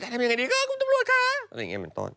ทำยังไงดีคะคุณตำรวจคะอะไรอย่างนี้เหมือนต้น